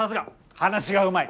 話がうまい。